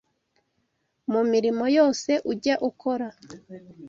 Mu mirimo yose ujya ukora